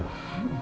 ada jessy juga